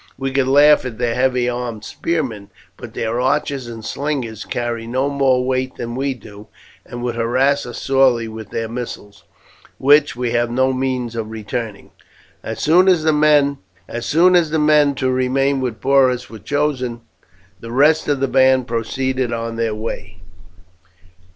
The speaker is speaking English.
We could laugh at their heavy armed spearmen, but their archers and slingers carry no more weight than we do, and would harass us sorely with their missiles, which we have no means of returning." As soon as the men to remain with Porus were chosen, the rest of the band proceeded on their way.